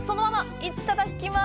いただきます。